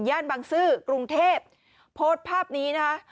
บังซื้อกรุงเทพโพสต์ภาพนี้นะคะ